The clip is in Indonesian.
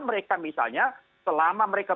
mereka misalnya selama mereka